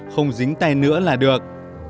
không dính tay nữa là được